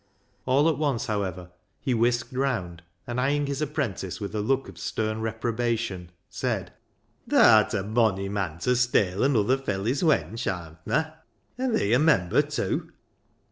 All at once, however, he whisked round, and eyeing his apprentice with a look of stern reprobation, said —" Tha'rt a bonny mon ta steil anuther felley's wench, artna ; an' thee a member tew."